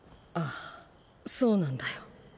あぁそうなんだよ。